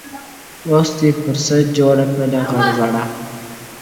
اوس پر څه دي جوړي کړي غلبلې دي.!